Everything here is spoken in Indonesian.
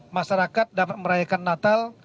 masyarakat dapat merayakan natal